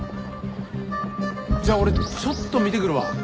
じゃあ俺ちょっと見てくるわ。